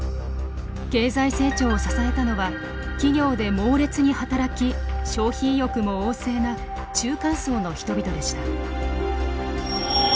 経済成長を支えたのは企業で猛烈に働き消費意欲も旺盛な中間層の人々でした。